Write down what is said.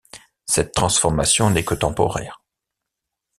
Cette transformation n'est que temporaire.